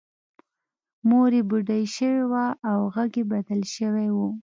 مور یې بوډۍ شوې وه او غږ یې بدل شوی و